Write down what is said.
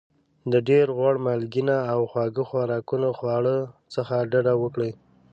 د ډېر غوړ مالګېنه او خواږه خوراکونو خواړو څخه ډاډه وکړئ.